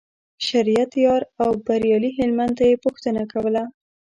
شریعت یار او بریالي هلمند یې پوښتنه کوله.